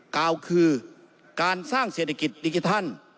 กาวคือการสร้างเศรษฐกิจดิจิทัล